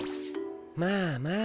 まあまあ。